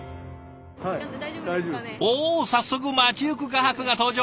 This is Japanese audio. お早速街行く画伯が登場。